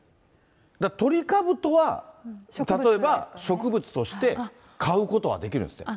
だからトリカブトは、例えば植物として買うことはできるんですって。